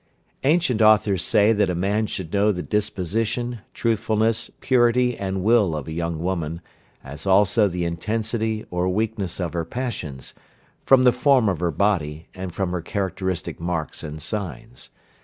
Ancient authors say that a man should know the disposition, truthfulness, purity, and will of a young woman, as also the intensity, or weakness of her passions, from the form of her body, and from her characteristic marks and signs.